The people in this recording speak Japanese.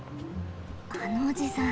あのおじさん